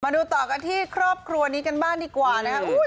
ดูต่อกันที่ครอบครัวนี้กันบ้างดีกว่านะครับ